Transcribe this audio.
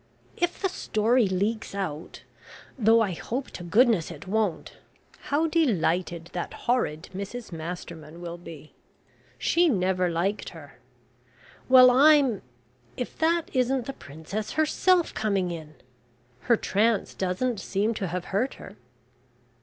"If the story leaks out though I hope to goodness it won't how delighted that horrid Mrs Masterman will be. She never liked her. Well I'm if that isn't the princess herself coming in! Her trance doesn't seem to have hurt her."